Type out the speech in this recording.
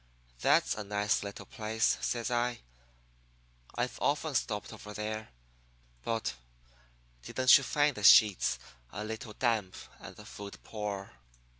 "'That's a nice little place,' says I. 'I've often stopped over there. But didn't you find the sheets a little damp and the food poor?